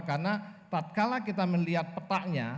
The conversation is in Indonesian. karena tatkala kita melihat petanya